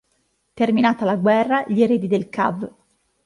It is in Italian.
Terminata la guerra gli eredi del cav.